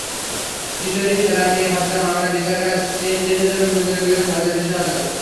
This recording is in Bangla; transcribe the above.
কিশোরী ফেলানী হত্যা মামলার বিচারকাজ তিন দিনের জন্য মুলতবি করেছেন ভারতের বিশেষ আদালত।